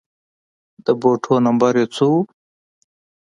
د بوټو نمبر يې څو و